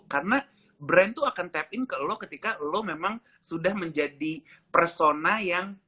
karena brand tuh akan tap in ke lo ketika lo memang sudah menjadi persona yang